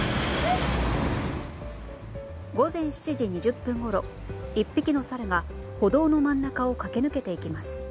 午前７時２０分ごろ１匹のサルが歩道の真ん中を駆け抜けていきます。